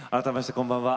こんばんは。